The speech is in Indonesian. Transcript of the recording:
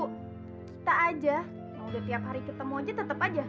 kita aja kalau udah tiap hari ketemu aja tetap aja